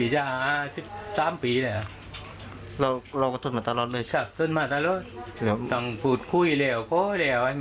เราก็ทดมาตลอดด้วย